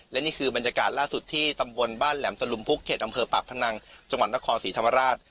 และนี่คือบรรยากาศล่าสุดที่ตำบลบ้านแหลมตะลุมพุกเขตอำเภอปากพนังจังหวัดนครศรีธรรมราช